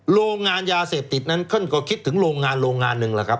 โรงงานยาเสพติดนั้นก็คิดถึงโรงงานหนึ่งล่ะครับ